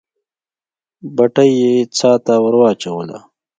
بتۍ يې څا ته ور واچوله.